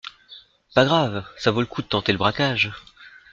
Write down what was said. Pas grave, ça vaut le coup de tenter le braquage.